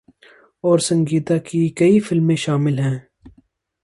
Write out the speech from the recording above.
اور سنگیتا کی کئی فلمیں شامل ہیں۔